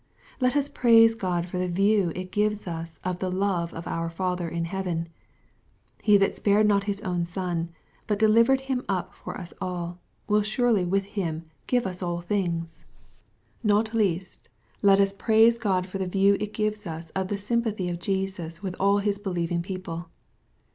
— Let us praise God for the view it gives us of the love of our Father in heaven. He that spared not His own Son, but delivered Him up for us all, will flurely with Him give us all things. — ^Not least, let us S98 XXPOBITOBT THOUGHTS. praise Qoi for the view it gives us of the sympathy of Jesus with all His believing people.